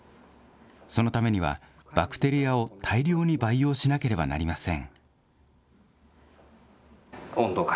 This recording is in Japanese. そのためには、バクテリアを大量に培養しなければなりません。